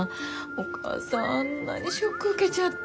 お母さんあんなにショック受けちゃって。